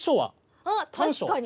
あっ確かに！